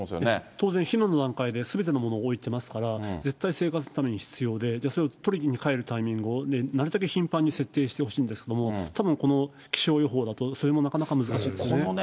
当然、避難の段階ですべてのものを置いてますから、絶対生活のために必要で、じゃあ、それ取りに帰るタイミングを、なるだけ頻繁に設定してほしいんですけど、たぶんこの気象予報だと、それもなかなか難しいですね。